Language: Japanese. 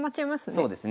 そうですね。